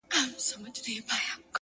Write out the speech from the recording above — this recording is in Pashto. پر وظیفه عسکر ولاړ دی تلاوت کوي _